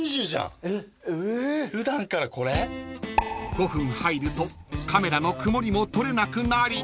［５分入るとカメラの曇りも取れなくなり］